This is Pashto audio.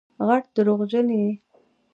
غټ دروغجن یې